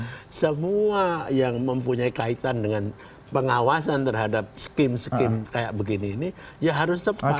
tapi semua yang mempunyai kaitan dengan pengawasan terhadap scheme scheme kayak begini ini ya harus sepak